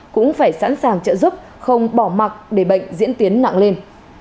cũng phải sẵn sàng trợ giúp không bỏ mặt để bệnh diễn tiến nặng lên